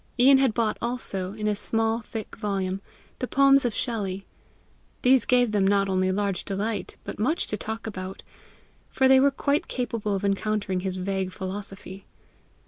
Ian had bought also, in a small thick volume, the poems of Shelley: these gave them not only large delight, but much to talk about, for they were quite capable of encountering his vague philosophy.